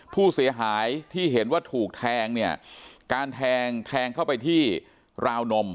ผู้เสียหายที่เห็นว่าถูกแทงเนี่ยการแทงแทงเข้าไปที่ราวนม